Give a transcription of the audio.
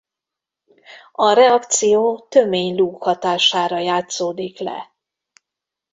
A reakció tömény lúg hatására játszódik le.